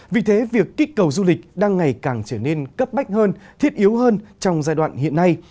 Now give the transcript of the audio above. vì thế việc kích cầu du lịch đang ngày càng trở nên cấp bách hơn thiết yếu hơn trong giai đoạn hiện nay